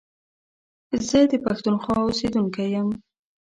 زه دا پښتونخوا اوسيدونکی يم.